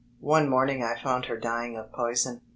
One morning I found her dying of poison.